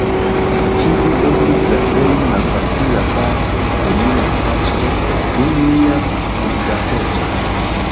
Tiu estis la plej malfacila parto de mia tasko dum mia prezidanteco.